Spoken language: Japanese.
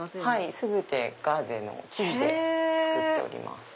全てガーゼの生地で作っております。